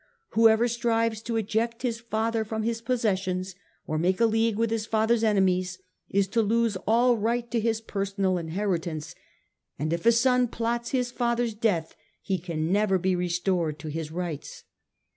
Whoever strives to eject his father from his possessions or make a league with his father's enemies, is to lose all right to his per sonal inheritance ; and if a son plots his father's death, he can never be restored to his rights."